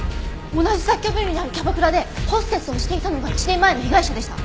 同じ雑居ビルにあるキャバクラでホステスをしていたのが１年前の被害者でした。